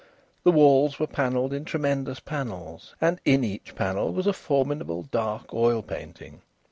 The walls were panelled in tremendous panels, and in each panel was a formidable dark oil painting.